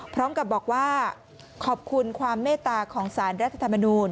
พร้อมกับบอกว่าขอบคุณความเมตตาของสารรัฐธรรมนูล